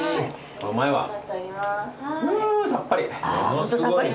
うさっぱり。